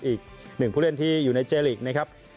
อีกหนึ่งผู้เล่นที่อยู่ในเจลีกนะครับ